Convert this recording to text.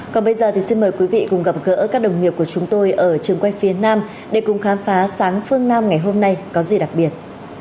còn bây giờ thì xin mời quý vị cùng gặp gỡ các đồng nghiệp của chúng tôi ở trường quay phía nam để cùng khám phá sáng phương nam ngày hôm nay có gì đặc biệt